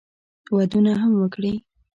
ودونه هم وکړي.